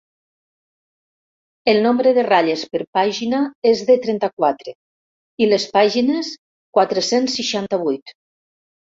El nombre de ratlles per pàgina és de trenta-quatre i les pàgines, quatre-cents seixanta-vuit.